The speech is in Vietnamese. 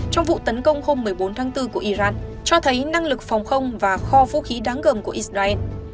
trong vụ tấn công hôm một mươi bốn tháng bốn của iran cho thấy năng lực phòng không và kho vũ khí đáng gồm của israel